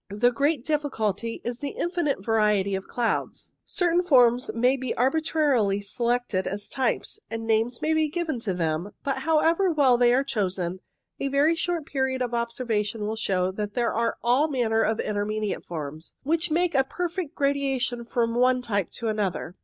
The great difficulty is the infinite variety of clouds. Certain forms may be arbitrarily selected as types, and names may be given to them ; but however well they are chosen, a very short period of observation will show that there are all manner of intermediate forms, which make a perfect 8 INTRODUCTORY gradation from one type to another.